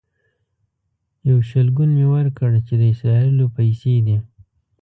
یو شلګون مې ورکړ چې د اسرائیلو پیسې دي.